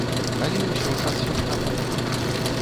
Але ўсё ж адсвяткавалі.